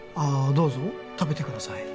どうぞ食べてください